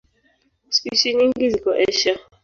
Spishi nyingi ziko Asia.